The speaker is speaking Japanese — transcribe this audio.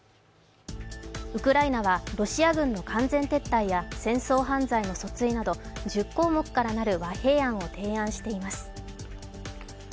ウクライナはロシア軍の完全撤退や戦争犯罪の訴追など１０項目からなる和平案を提案しています。